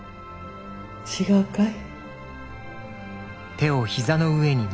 違うかい？